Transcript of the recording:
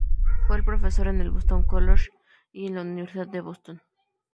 Fue profesor en el Boston College y en la Universidad de Boston.